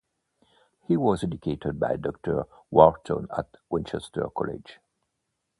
He was educated by Doctor Wharton at Winchester College.